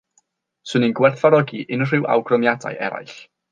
'Swn i'n gwerthfawrogi unrhyw awgrymiadau eraill